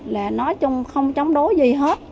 là nói chung không chống đối gì hết